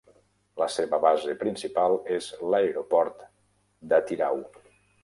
La seva base principal és l'aeroport d'Atyrau.